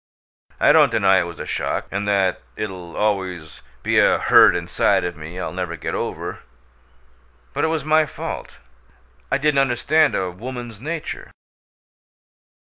I don't deny it was a shock and that it'll always be a hurt inside of me I'll never get over. But it was my fault; I didn't understand a woman's nature."